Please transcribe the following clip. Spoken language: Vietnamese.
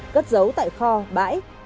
cất giấu tại kho bãi